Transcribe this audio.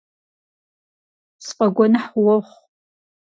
СфӀэгуэныхь уохъу.